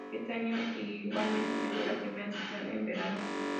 Ese año igualmente se dio la primera sesión en verano.